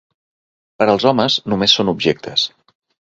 Per als homes, només són objectes.